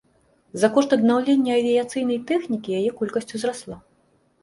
За кошт аднаўлення авіяцыйнай тэхнікі яе колькасць узрасла.